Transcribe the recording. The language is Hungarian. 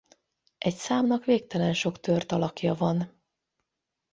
Egy számnak végtelen sok tört alakja van.